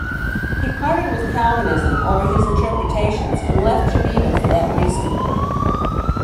He parted with Calvinism over his interpretations and left Geneva for that reason.